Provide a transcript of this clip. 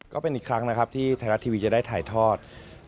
ก็เป็นอีกครั้งนะครับที่ไทยรัฐทีวีจะได้ถ่ายทอด